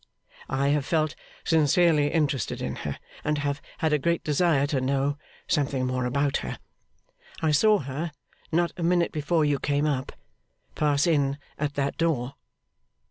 I have felt sincerely interested in her, and have had a great desire to know something more about her. I saw her, not a minute before you came up, pass in at that door.